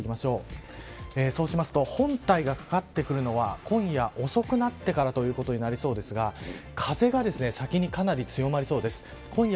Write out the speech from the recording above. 動かしていくと本体がかかってくるのは今夜、遅くなってからということになりそうですが風が先にかなり強まりそうです。